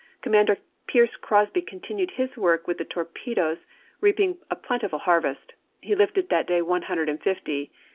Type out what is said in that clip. Commander Pierce Crosby continued his work with the torpedoes, reaping a plentiful harvest : he lifted that day one hundred and fifty.